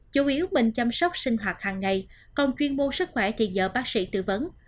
chủ yếu mình chăm sóc sinh hoạt hàng ngày còn chuyên môn sức khỏe thì dở bác sĩ tư vấn